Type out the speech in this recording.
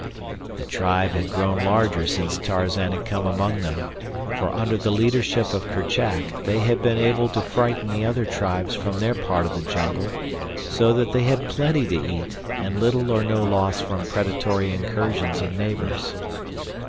The tribe had grown larger since Tarzan had come among them, for under the leadership of Kerchak they had been able to frighten the other tribes from their part of the jungle so that they had plenty to eat and little or no loss from predatory incursions of neighbors.